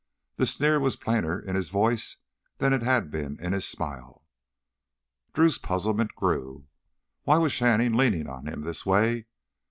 The sneer was plainer in his voice than it had been in his smile. Drew's puzzlement grew. Why was Shannon leaning on him this way?